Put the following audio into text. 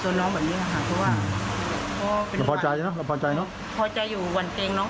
ต้อง๗เดือนไปเดือน